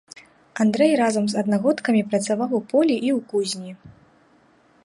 Андрэй разам з аднагодкамі працаваў у полі і ў кузні.